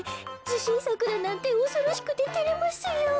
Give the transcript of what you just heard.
じしんさくだなんておそろしくててれますよ。